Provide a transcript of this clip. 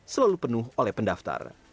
selalu penuh oleh pendaftar